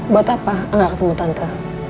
buat apa enggak ketemu tante